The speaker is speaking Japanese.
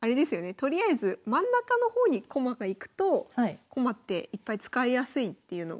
とりあえず真ん中の方に駒が行くと駒っていっぱい使いやすいっていうのが。